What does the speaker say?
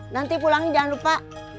nanti pulangnya jangan lupa